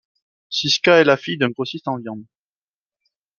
Siska est la fille d'un grossiste en viande.